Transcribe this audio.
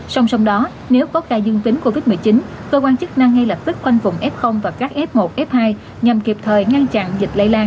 song song đó nếu có ca dương tính covid một mươi chín cơ quan chức năng ngay lập tức khoanh vùng f và các f một f hai nhằm kịp thời ngăn chặn dịch lây lan